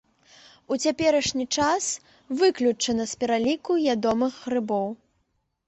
У цяперашні час выключана з пераліку ядомых грыбоў.